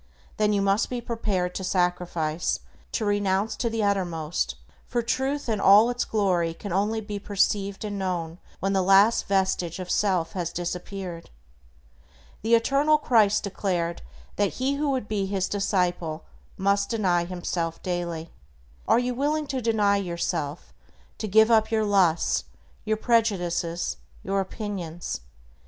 Then you must be prepared to sacrifice, to renounce to the uttermost, for Truth in all its glory can only be perceived and known when the last vestige of self has disappeared. The eternal Christ declared that he who would be His disciple must "deny himself daily." Are you willing to deny yourself, to give up your lusts, your prejudices, your opinions?